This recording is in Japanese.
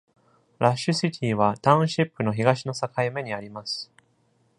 ラッシュ・シティは、タウンシップの東の境目にあります。